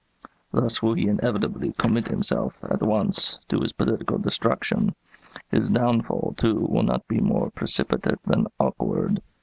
Thus will he inevitably commit himself, at once, to his political destruction. His downfall, too, will not be more precipitate than awkward.